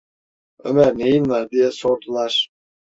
"Ömer, neyin var?" diye sordular.